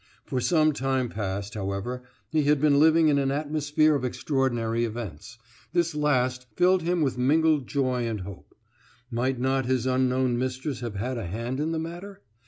For some time past, however, he had been living in an atmosphere of extraordinary events; this last filled him with mingled joy and hope. Might not his unknown mistress have had a hand in the matter?